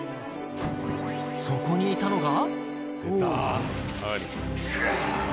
そこにいたのが。